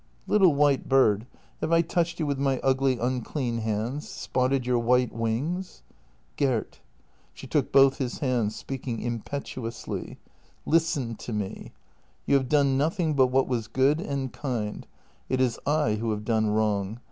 ..."" Little white bird, have I touched you with my ugly unclean hands — spotted your white wings?" " Gert "— she took both his hands, speaking impetuously —" listen to me. You have done nothing but what was good and kind; it is I who have done wrong.